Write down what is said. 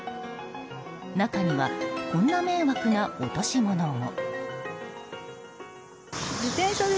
中にはこんな迷惑な落とし物も。